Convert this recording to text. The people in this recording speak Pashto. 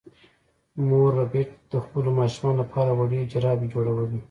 مور ربیټ د خپلو ماشومانو لپاره وړې جرابې جوړولې